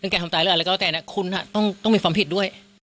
ถึงแก่ฝัมตายแล้วอะไรก็แล้วแต่นั้นคุณอ่ะต้องต้องมีฝัมผิดด้วย